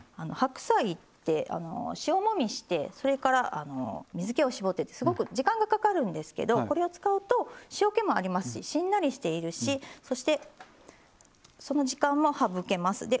白菜って塩もみしてそれから水けを絞ってってすごく時間がかかるんですけどこれを使うと塩気もありますししんなりしているしそしてその時間も省けます。